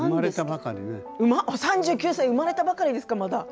３９歳生まれたばかりですか、まだ。